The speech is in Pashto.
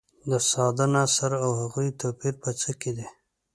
د ساده نثر او هغوي توپیر په څه کې دي.